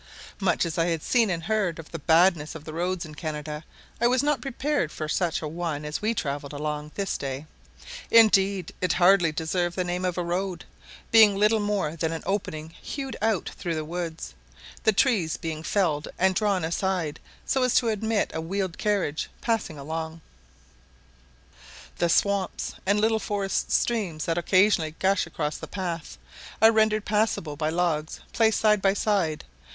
Much as I had seen and heard of the badness of the roads in Canada, I was not prepared for such a one as we travelled along this day: indeed, it hardly deserved the name of a road, being little more than an opening hewed out through the woods, the trees being felled and drawn aside, so as to admit a wheeled carriage passing along. The swamps and little forest streams, that occasionally gush across the path, are rendered passable by logs placed side by side.